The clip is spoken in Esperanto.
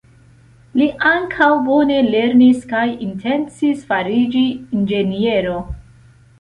Li ankaŭ bone lernis kaj intencis fariĝi inĝeniero.